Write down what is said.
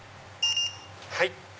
はい。